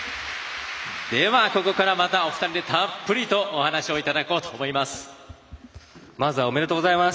では、ここからお二人でたっぷりとお話をいただこうと思います。